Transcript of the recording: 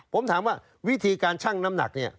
ผมถามว่าวิธีการชั่งน้ำหนักเนี่ย